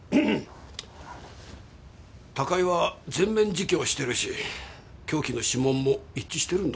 高井は全面自供してるし凶器の指紋も一致してるんだろう？